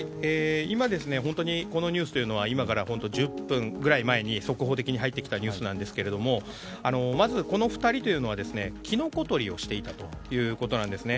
本当にこのニュースは今から１０分くらい前に速報的に入ってきたニュースなんですけどもまず、この２人というのはキノコ採りをしていたということなんですね。